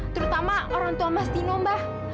terutama orang tua mbah dino mbah